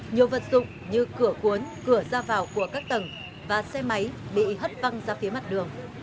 nhiều vật dụng như cửa cuốn cửa ra vào của các tầng và xe máy bị hất văng ra phía mặt đường